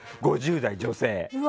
５０代女性。